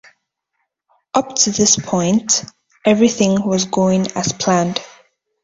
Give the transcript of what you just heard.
Up to this point, everything was going as planned.